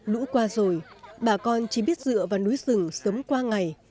lũ qua rồi bà con chỉ biết dựa vào núi rừng sớm qua ngày